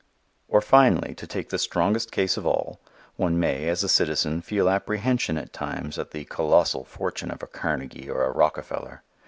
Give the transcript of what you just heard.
Or finally, to take the strongest case of all, one may, as a citizen, feel apprehension at times at the colossal fortune of a Carnegie or a Rockefeller.